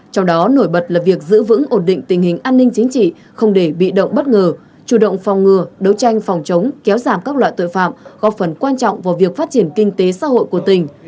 trong đó nổi bật là việc giữ vững ổn định tình hình an ninh chính trị không để bị động bất ngờ chủ động phòng ngừa đấu tranh phòng chống kéo giảm các loại tội phạm góp phần quan trọng vào việc phát triển kinh tế xã hội của tỉnh